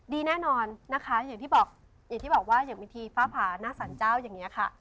ดีแน่นอนนะคะอย่างที่บอกอย่างที่บอกว่าอย่างวิธีฟ้าผาหน้าสรรเจ้าอย่างนี้ค่ะ